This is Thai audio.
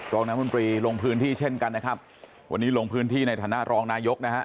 รองน้ำมนตรีลงพื้นที่เช่นกันนะครับวันนี้ลงพื้นที่ในฐานะรองนายกนะฮะ